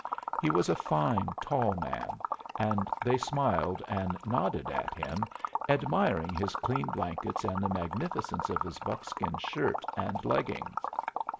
He was a fine tall man, and they smiled and nodded at him, admiring his clean blankets and the magnificence of his buckskin shirt and leggings.